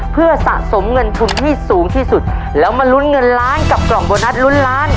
เพื่อสะสมเงินทุนให้สูงที่สุดแล้วมาลุ้นเงินล้านกับกล่องโบนัสลุ้นล้าน